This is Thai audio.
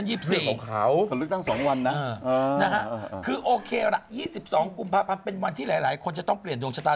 นั่น๒๔นะครับคือโอเคละ๒๒กุมภาพันธ์เป็นวันที่หลายคนจะต้องเปลี่ยนโดงชะตา